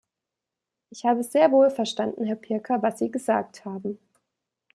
Ich habe sehr wohl verstanden, Herr Pirker, was Sie gesagt haben.